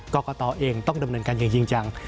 กรกตเองต้องดำเนินการอย่างจริงจัง